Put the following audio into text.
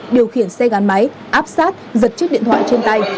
điều khiển xe gắn máy áp sát giật chiếc điện thoại trên tay